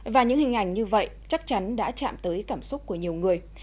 và những hình ảnh như vậy chắc chắn đã chạm tới cảm xúc của nhiều người